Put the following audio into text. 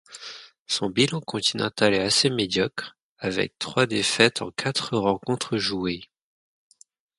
Son bilan continental est assez médiocre, avec trois défaites en quatre rencontres jouées.